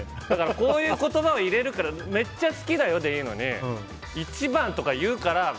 こういう言葉を入れるからめっちゃ好きだよでいいのに１番とか言うから。